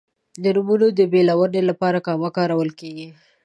د نومونو د بېلونې لپاره کامه کارول کیږي.